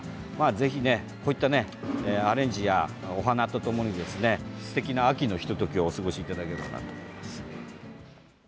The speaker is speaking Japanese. ぜひ、こうしたアレンジやお花とともにすてきな秋のひと時をお過ごしいただければなと思います。